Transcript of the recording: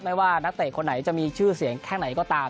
ไม่ว่านักเตะคนไหนจะมีชื่อเสียงแค่ไหนก็ตาม